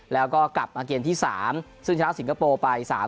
แล้วก็กลับมาเกมที่๓ซึ่งชนะสิงคโปร์ไป๓๐